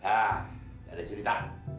hah gak ada cerita